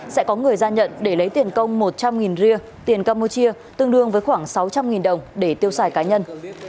sẽ có người ra nhận để lấy tiền công một trăm linh ria tiền campuchia tương đương với khoảng sáu trăm linh đồng để tiêu xài cá nhân